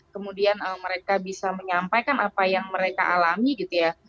kemudian mereka bisa menyampaikan apa yang mereka alami gitu ya